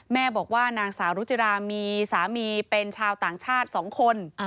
แม่บอกว่านางสาวรุจิรามีสามีเป็นชาวต่างชาติ๒คน